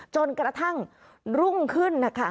จนกระทั่งรุ่งขึ้นนะคะ